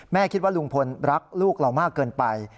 คิดว่าลุงพลรักลูกเรามากเกินไป